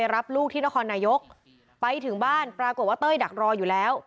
รอนี้หน่อยน่ะ